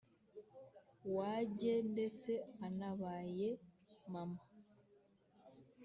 wajye ndetse anabaye mama